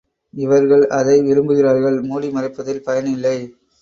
இவர்கள் அதை விரும்புகிறார்கள் மூடி மறைப்பதில் பயனில்லை.